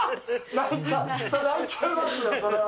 泣いちゃいますよ、それは。